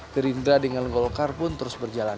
gerindra dengan golkar pun terus berjalan